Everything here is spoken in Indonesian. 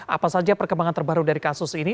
apa saja perkembangan terbaru dari kasus ini